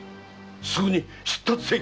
すぐに出立せい！